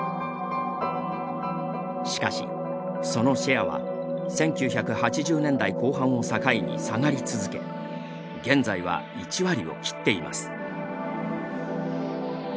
しかし、そのシェアは１９８０年代後半を境に下がり続け現在は１割を切っています。